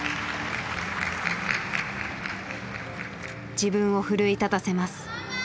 自分を奮い立たせます。